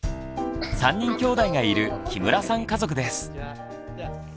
３人きょうだいがいる木村さん家族です。